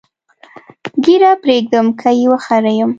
ږیره پرېږدم که یې وخریم؟